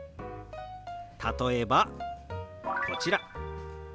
例えばこちら。